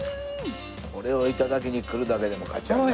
これを頂きに来るだけでも価値あるね。